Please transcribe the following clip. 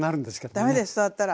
駄目です触ったら。